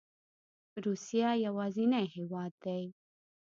روسیه یوازینی هیواد دی